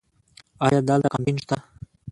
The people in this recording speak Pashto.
ایا دلته کانتین شته؟